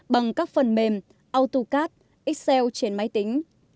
bằng các phần mềm autocad excel trên máy tính